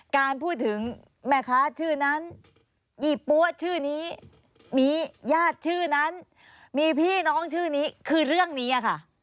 การพูดถึงแม่ค้าชื่อนั้นยี่ปั๊วชื่อนี้มีญาติชื่อนั้นมีพี่น้องชื่อนี้คือเรื่องนี้ค่ะ